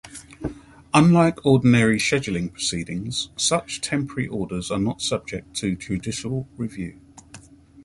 Unlike ordinary scheduling proceedings, such temporary orders are not subject to judicial review.